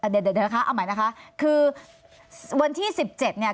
เดี๋ยวนะคะเอาใหม่นะคะคือวันที่๑๗เนี่ย